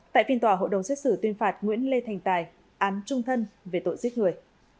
tại phiên tòa hội đồng xét xử tuyên phạt nguyễn lê thành tài án trung thân về tội giết người